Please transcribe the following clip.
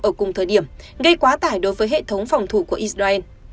ở cùng thời điểm gây quá tải đối với hệ thống phòng thủ của israel